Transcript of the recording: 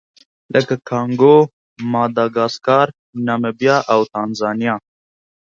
لکه کانګو، ماداګاسکار، نامبیا او تانزانیا.